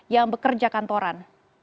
yang bekerja kantoran